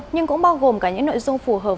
nhưng cũng bao gồm cả những nội dung phù hợp